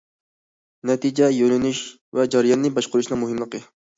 نەتىجە يۆنىلىشى ۋە جەرياننى باشقۇرۇشنىڭ مۇھىملىقى.